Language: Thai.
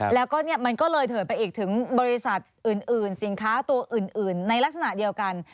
แล้วก็มันก็เลยเถิดไปอีกถึงบริษัทอื่นสินค้าตัวอื่นในลักษณะเดียวกัน